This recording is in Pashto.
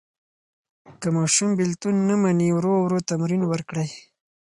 که ماشوم بېلتون نه مني، ورو ورو تمرین ورکړئ.